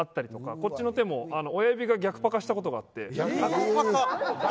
こっちの手も親指が逆ぱかしたことがあって。